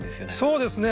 そうですね。